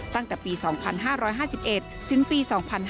ตั้งแต่ปี๒๕๕๑ถึงปี๒๕๕๙